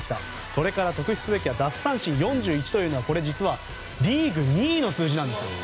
それから特筆すべきは奪三振４１というのは実はリーグ２位の数字なんです。